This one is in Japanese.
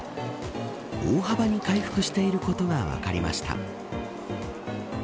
大幅に回復していることが分かりました。